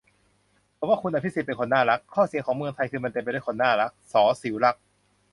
"ผมว่าคุณอภิสิทธิ์เป็นคนน่ารัก ข้อเสียของเมืองไทยคือมันเต็มไปด้วยคนน่ารัก" - ส.ศิวรักษ์